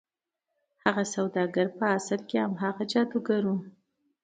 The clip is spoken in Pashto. هغه سوداګر په اصل کې هماغه جادوګر و.